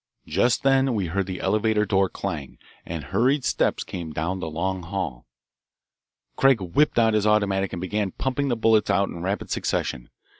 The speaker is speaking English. Just then we heard the elevator door clang, and hurried steps came down the long hall. Craig whipped out his automatic and began pumping the bullets out in rapid succession.